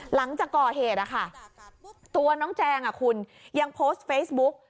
หลังจากก่อเหตุตัวน้องแจงคุณยังโพสต์เฟซบุ๊ก